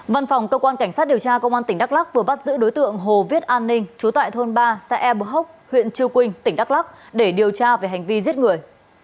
văn phòng cơ quan cảnh sát điều tra công an tỉnh đắk lắc vừa bắt giữ đối tượng hồ viết an ninh chú tại thôn ba xã e bờ hốc huyện chư quynh tỉnh đắk lắc để điều tra về hành vi giết người